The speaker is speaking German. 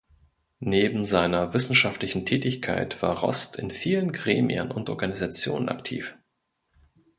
Neben seiner wissenschaftlichen Tätigkeit war Rost in vielen Gremien und Organisationen aktiv.